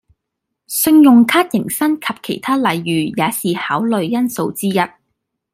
信用卡迎新及其他禮遇也是考慮因素之一